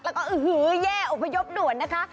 แล้วก็อื้อหือแย่อพยพด่วนนะคะ